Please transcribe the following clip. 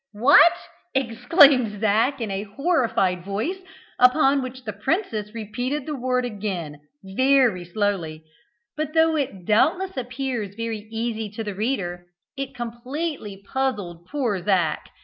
"What?" exclaimed Zac in a horrified voice; upon which the princess repeated the word again very slowly; but, though it doubtless appears very easy to the reader, it completely puzzled poor Zac.